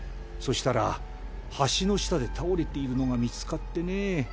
そしたら橋の下で倒れているのが見つかってね